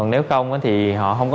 nếu không thì họ không có